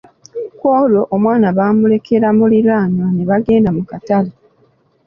Ku olwo, omwana baamulekera muliraanwa ne bagenda mu katale.